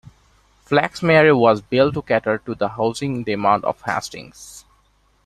Flaxmere was built to cater to the housing demand of Hastings.